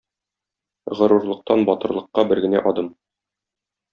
Горурлыктан батырлыкка бер генә адым.